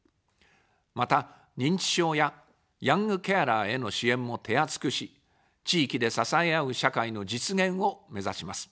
また、認知症やヤングケアラーへの支援も手厚くし、地域で支え合う社会の実現をめざします。